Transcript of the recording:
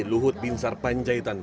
luhut binsar panjaitan